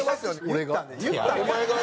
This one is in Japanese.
俺が？